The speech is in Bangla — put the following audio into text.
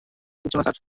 কিচ্ছু না, স্যার।